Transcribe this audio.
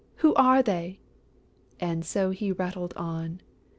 Who are they?" And so he rattled on.